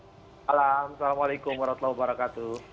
assalamualaikum warahmatullahi wabarakatuh